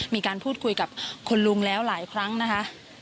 มีการพูดคุยกับคุณลุงแล้วหลายครั้งนะคะ